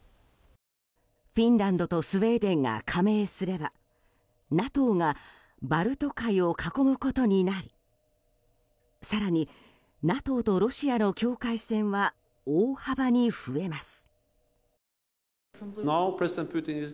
フィンランドとスウェーデンが加盟すればＮＡＴＯがバルト海を囲むことになり更に、ＮＡＴＯとロシアの境界線は大幅に増えます。